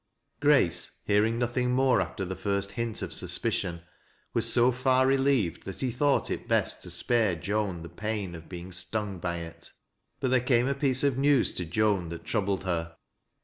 Grace, hearing nothing more after the first hint of suspicion, was so far relieved that he thought it best to spare Joan the pain of being stung by it. . But there came a piece of news to Joan that troubled her.